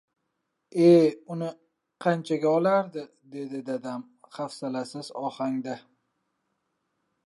— E, uni qanchaga olardi? — dedi dadam hafsalasiz ohangda.